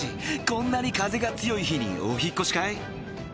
こんなに風が強い日にお引っ越しかい？